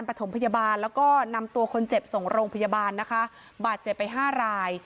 ประถมพยาบาลแล้วก็นำตัวคนเจ็บส่งโรงพยาบาลนะคะบาดเจ็บไปห้าราย